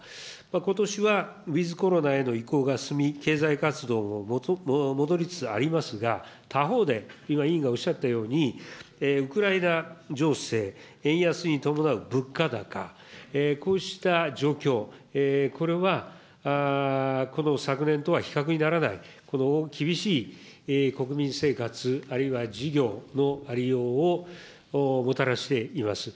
ことしはウィズコロナへの移行が進み、経済活動も戻りつつありますが、他方で今、委員がおっしゃったように、ウクライナ情勢、円安に伴う物価高、こうした状況、これは、この昨年とは比較にならない、この厳しい国民生活、あるいは事業のありようをもたらしています。